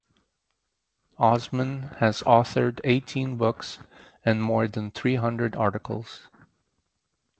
Osman has authored eighteen books and more than three hundred articles.